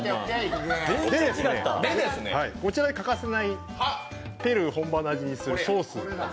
こちら、欠かせないペルー本場の味にするソース。